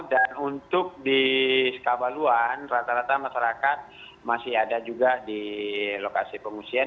dan untuk di sekabaluan rata rata masyarakat masih ada juga di lokasi pengusian